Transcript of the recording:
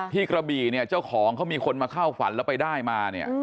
กระบี่เนี่ยเจ้าของเขามีคนมาเข้าฝันแล้วไปได้มาเนี่ย